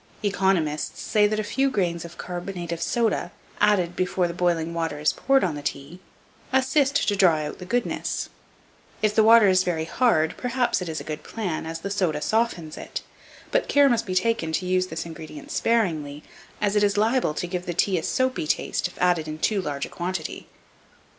Economists say that a few grains of carbonate of soda, added before the boiling water is poured on the tea, assist to draw out the goodness: if the water is very hard, perhaps it is a good plan, as the soda softens it; but care must be taken to use this ingredient sparingly, as it is liable to give the tea a soapy taste if added in too large a quantity.